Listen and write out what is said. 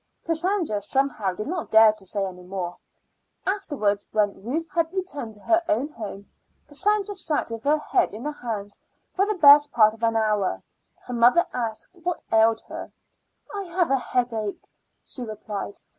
Cassandra somehow did not dare to say any more. Afterwards, when Ruth had returned to her own home, Cassandra sat with her head in her hands for the best part of an hour. Her mother asked her what ailed her. "I have a headache," she replied.